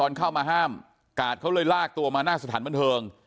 เข้ามาห้ามกาดเขาเลยลากตัวมาหน้าสถานบันเทิง